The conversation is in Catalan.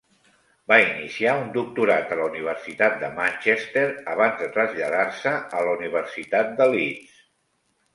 Va iniciar un doctorat a la Universitat de Manchester abans de traslladar-se a la Universitat de Leeds.